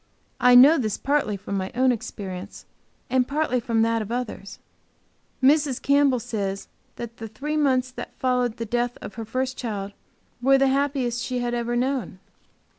I know this partly from my own experience and partly from that of others. Mrs. Campbell says that the three months that followed the death of her first child were the happiest she had ever known.